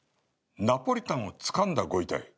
ナポリタンをつかんだご遺体？